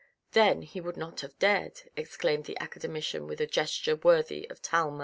" Then he would not have dared," exclaimed the academician with a gesture worthy of Talma.